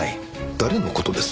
誰の事です？